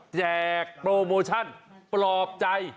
แจกโปรโมชั่นปลอบใจ